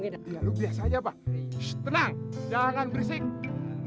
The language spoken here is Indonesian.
taha aduh aduh aduh aduh